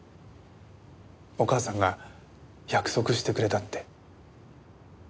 お母さんが約束してくれたって。